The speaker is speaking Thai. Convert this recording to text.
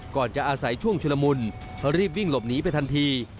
ก่อนจะอาศัยช่วงชุลมุนเขารีบวิ่งหลบหนีไปทันที